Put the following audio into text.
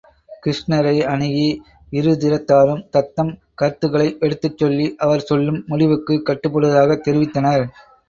கிருஷ்ணரை அணுகி, இருதிறத்தாரும் தத்தம் கருத்துக்களை எடுத்துச் சொல்லி, அவர் சொல்லும் முடிக்குக் கட்டுப்படுவதாகத் தெரிவித்தனர்.